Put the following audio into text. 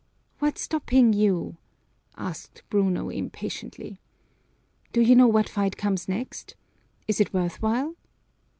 "What's stopping you?" asked Bruno impatiently. "Do you know what fight comes next? Is it worth while?"